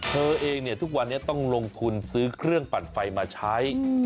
เธอเองทุกวันนี้ต้องลงทุนซื้อเครื่องปั่นไฟมาใช้